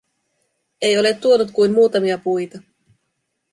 Ei ole tuonut kuin muutamia puita.